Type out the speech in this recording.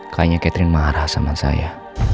kayaknya catherine marah sama saya